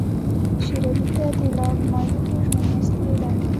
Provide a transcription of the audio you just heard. شېر علي ته د لارډ مایو د ژمنې اصلي علت.